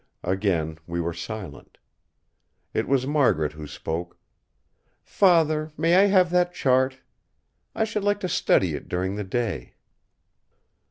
Again we were silent. It was Margaret who spoke: "Father, may I have that chart? I should like to study it during the day!"